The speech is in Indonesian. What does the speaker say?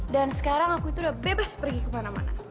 dan sekarang aku itu udah bebas pergi kemana mana